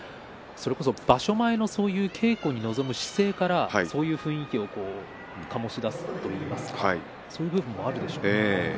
場所前の稽古に臨む姿勢から、そういう雰囲気を醸し出すといいますかそういう部分もあるでしょうか。